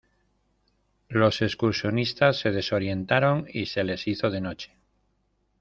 Los excursionistas se desorientaron y se les hizo de noche.